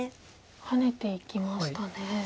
ハネていきましたね。